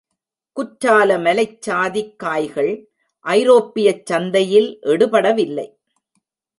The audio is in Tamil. குற்றாலமலைச் சாதிக் காய்கள் ஐரோப்பியச் சந்தையில் எடுபடவில்லை.